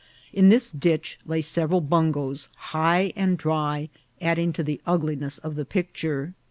In this ditch lay several bungoes high and dry, adding to the ugliness of the picture.